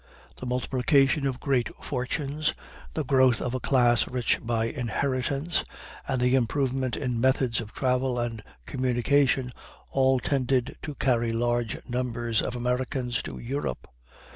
The multiplication of great fortunes, the growth of a class rich by inheritance, and the improvement in methods of travel and communication, all tended to carry large numbers of Americans to Europe.